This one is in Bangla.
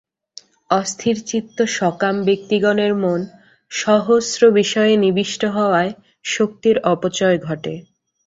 অস্থিরচিত্ত সকাম ব্যক্তিগণের মন সহস্র বিষয়ে নিবিষ্ট হওয়ায় শক্তির অপচয় ঘটে।